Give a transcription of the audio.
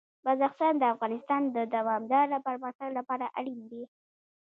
بدخشان د افغانستان د دوامداره پرمختګ لپاره اړین دي.